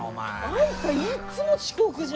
あんたいっつも遅刻じゃん。